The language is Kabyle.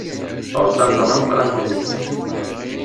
Ɣur-s amḍan ameqqran n yidlisen.